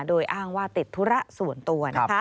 โดยอ้างว่าติดธุระส่วนตัว